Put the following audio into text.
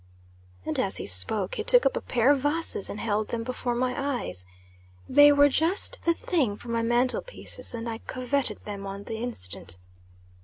And as he spoke, he took up a pair of vases and held them before my eyes. They were just the thing for my mantle pieces, and I covetted them on the instant.